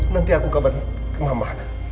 nanti aku kabar ke mama